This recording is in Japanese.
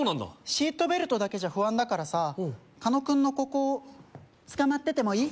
シートベルトだけじゃ不安だからさ狩野君のここつかまっててもいい？